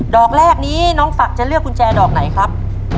อกแรกนี้น้องฝักจะเลือกกุญแจดอกไหนครับ